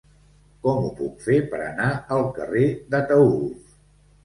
Com ho puc fer per anar al carrer d'Ataülf?